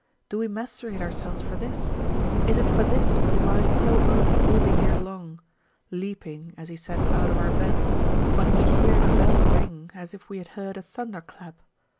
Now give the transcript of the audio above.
do we macerate ourselves for this? Is it for this we rise so early all the year long? Leaping (as he saith) out of our beds, when we hear the bell ring, as if we had heard a thunderclap.